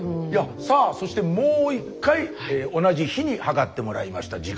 さあそしてもう一回同じ日に測ってもらいました。